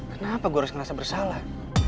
kenapa gue harus merasa bersalah